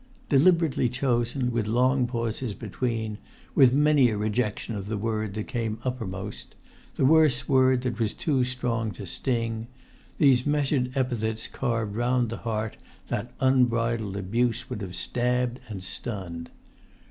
Deliberately chosen, with long pauses between, with many a rejection of the word that came uppermost—the worse word that was too strong to sting—these measured epithets carved round the heart that unbridled abuse would have stabbed and stunned.